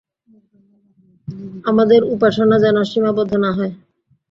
আমাদের উপাসনা যেন সীমাবদ্ধ না হয়।